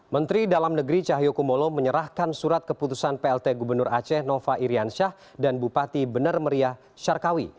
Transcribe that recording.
menteri dalam negeri cahyokumolo menyerahkan surat keputusan plt gubernur aceh nova irian syah dan bupati benar meriah syarkawi